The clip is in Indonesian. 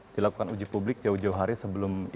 dilakukan uji publik jauh jauh hari sebelum